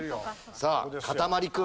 さあかたまり君。